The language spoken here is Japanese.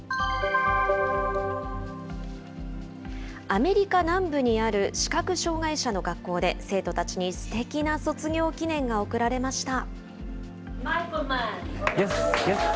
アメリカ南部にある視覚障害者の学校で、生徒たちにすてきな卒業記念が贈られました。